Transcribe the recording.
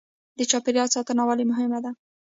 د چاپیریال ساتنه ولې مهمه ده